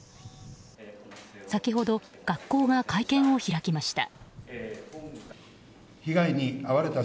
先ほど、学校が会見を開きました。